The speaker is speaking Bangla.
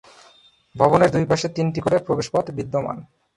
ভবনের দুইপাশে তিনটি করে প্রবেশ পথ বিদ্যমান।